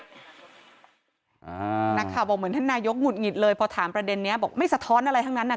นักข่าวบอกเหมือนท่านนายกหงุดหงิดเลยพอถามประเด็นนี้บอกไม่สะท้อนอะไรทั้งนั้นน่ะ